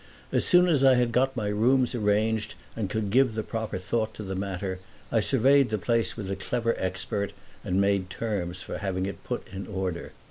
As soon as I had got my rooms arranged and could give the proper thought to the matter I surveyed the place with a clever expert and made terms for having it put in order.